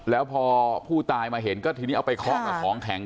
แล้วพอผู้ตายมาเห็นก็ทีนี้เอาไปเคาะกับของแข็ง